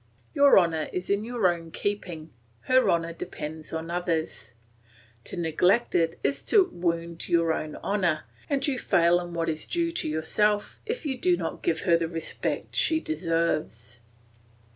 Your honour is in your own keeping, her honour depends on others. To neglect it is to wound your own honour, and you fail in what is due to yourself if you do not give her the respect she deserves."